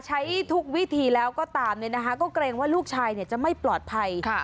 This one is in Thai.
ใช้ทุกวิธีแล้วก็ตามเนี่ยนะคะก็เกรงว่าลูกชายจะไม่ปลอดภัย